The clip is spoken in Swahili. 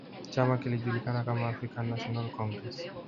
chama kilijulikana kama African National Congress